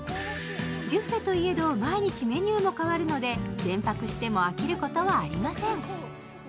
ビュッフェといえど毎日メニューも変わるので連泊しても飽きることはありません。